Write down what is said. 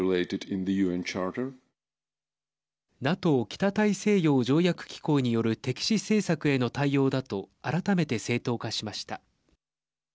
ＮＡＴＯ＝北大西洋条約機構による敵視政策への対応だと改めて正当化しました。